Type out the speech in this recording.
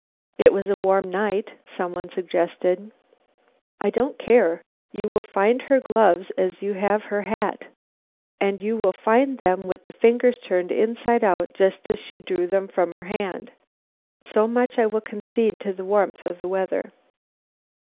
"It was a warm night," some one suggested. "I don't care. You will find her gloves as you have her hat; and you will find them with the fingers turned inside out, just as she drew them from her hand. So much I will concede to the warmth of the weather."